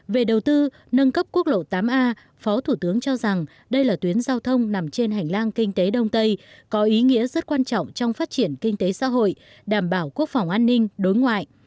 về đầu tư nâng cấp quốc lộ tám a phó thủ tướng cho rằng đây là tuyến giao thông nằm trên hành lang kinh tế đông tây có ý nghĩa rất quan trọng trong phát triển kinh tế xã hội đảm bảo quốc phòng an ninh đối ngoại